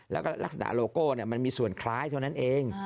แล้วก็ลักษณะโลโก้มันมีส่วนคล้ายเท่านั้นเอง